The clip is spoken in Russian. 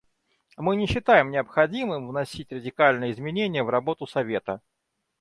Мы не считаем необходимым вносить радикальные изменения в работу Совета.